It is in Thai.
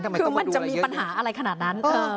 คือมันจะมีปัญหาอะไรขนาดนั้น